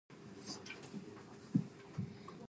生存还是毁灭，这是一个值得考虑的问题